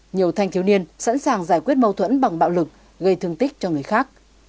nhiều thanh thiếu niên sẵn sàng giải quyết mâu thuẫn bằng bạo lực gây thương tích cho người khác